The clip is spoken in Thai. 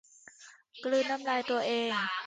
กลืนน้ำลายตัวเอง